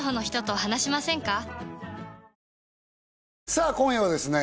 さあ今夜はですね